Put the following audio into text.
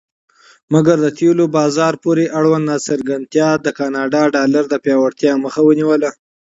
مګر د تیلو بازار پورې اړوند ناڅرګندتیا د کاناډا ډالر د پیاوړتیا مخه ونیوله.